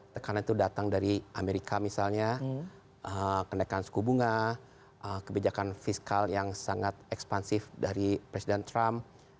tekanan itu datang dari amerika misalnya kenaikan suku bunga kebijakan fiskal yang sangat ekspansif dari presiden trump